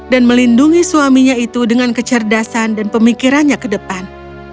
dan melindungi suaminya itu dengan kecerdasan dan pemikirannya ke depan